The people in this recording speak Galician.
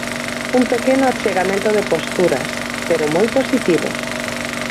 Un pequeno achegamento de posturas pero moi positivo.